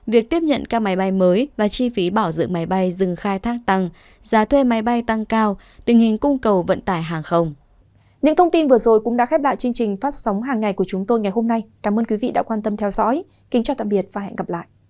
việc tiếp nhận các máy bay mới và chi phí bảo dưỡng máy bay dừng khai thác tăng giá thuê máy bay tăng cao tình hình cung cầu vận tải hàng không